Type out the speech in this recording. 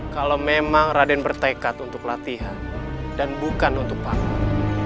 kalau memang raden bertekad untuk latihan dan bukan untuk panggung